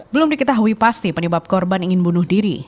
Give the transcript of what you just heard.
belum diketahui pasti penyebab korban ingin bunuh diri